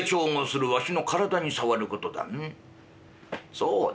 そうだ！